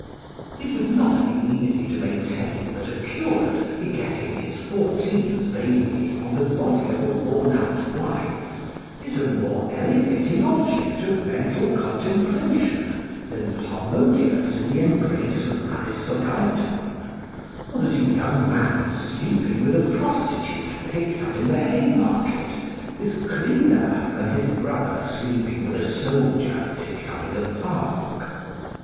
It would not be easy to maintain that a curate begetting his fourteenth baby on the body of a worn out wife is a more elevating object of mental contemplation than Harmodius in the embrace of Aristogeiton, or that a young man sleeping with a prostitute picked up in the Haymarket is cleaner than his brother sleeping with a soldier picked up in the Park.